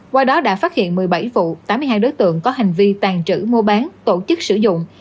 qua đó đã phát hiện một mươi bảy vụ tám mươi hai đối tượng có hành vi tàn trữ mua bán tổ chức sử dụng